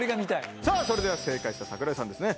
さあ、それでは正解した櫻井さんですね。